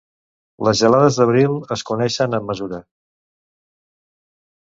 Les gelades d'abril es coneixen en mesurar.